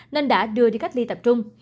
nên đã đưa đi cách ly tập trung